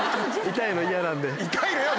痛いのイヤなんで。